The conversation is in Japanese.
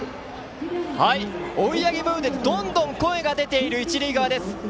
追い上げムードでどんどん声が出ている一塁側です。